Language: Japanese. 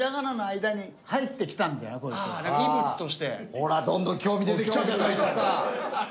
ほらどんどん興味出てきたじゃないですか！